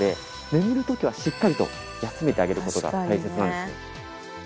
眠る時はしっかりと休めてあげる事が大切なんですね」